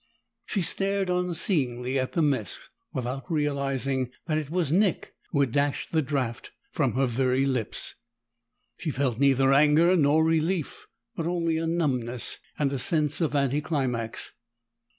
She stared unseeingly at the mess, without realizing that it was Nick who had dashed the draught from her very lips. She felt neither anger nor relief, but only a numbness, and a sense of anti climax.